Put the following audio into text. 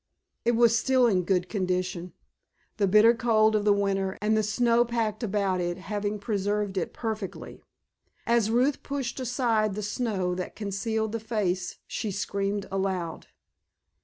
It was still in good condition, the bitter cold of the winter and the snow packed about it having preserved it perfectly. As Ruth pushed aside the snow that concealed the face she screamed aloud.